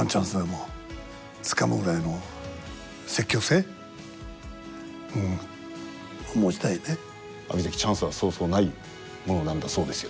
やっぱり阿炎関チャンスはそうそうないものなんだそうですよ。